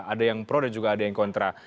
ada yang pro ada juga yang kontra